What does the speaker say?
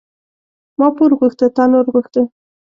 ما پور غوښته تا نور غوښته.